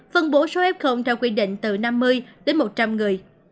phân bố số f theo quy định từ năm mươi đến một trăm linh người